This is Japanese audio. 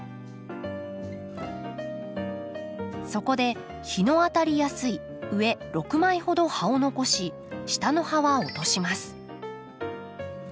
そこで日の当たりやすい上６枚ほど葉を残し下の葉は落とします。